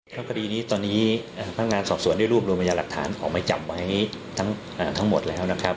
ก็คดีนี้ตอนนี้ท่านการณ์สอบสวนได้รูปรวมัญญาณหลักฐานของไม่จับไว้ทั้งหมดแล้วนะครับ